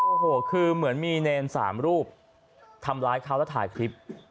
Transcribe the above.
โอ้โหคือเหมือนมีเนรสามรูปทำร้ายเขาแล้วถ่ายคลิป